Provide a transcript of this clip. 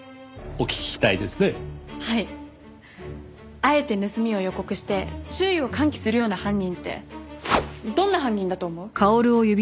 あえて盗みを予告して注意を喚起するような犯人ってどんな犯人だと思う？